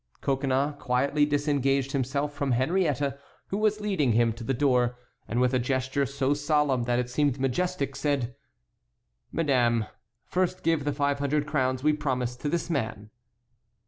Coconnas quietly disengaged himself from Henriette, who was leading him to the door, and with a gesture so solemn that it seemed majestic said: "Madame, first give the five hundred crowns we promised to this man."